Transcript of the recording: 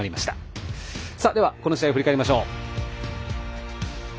この試合を振り返りましょう。